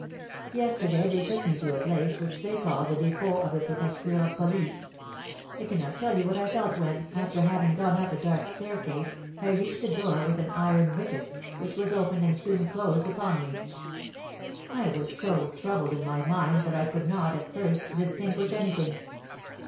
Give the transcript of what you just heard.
Yesterday they took me to a place which they call the dépôt of the prefecture of police. I cannot tell you what I felt when, after having gone up a dark staircase, I reached a door with an iron wicket, which was opened and soon closed upon me. I was so troubled in my mind that I could not, at first, distinguish anything.